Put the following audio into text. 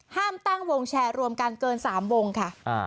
ห้ามตั้งวงแชร์รวมกันเกิน๓วงค่ะ